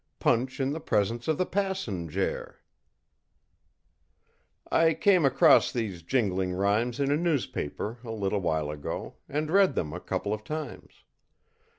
Punch in the presence of the passenjare! I came across these jingling rhymes in a newspaper, a little while ago, and read them a couple of times.